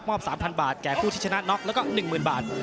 ๓๐๐บาทแก่ผู้ที่ชนะน็อกแล้วก็๑๐๐๐บาท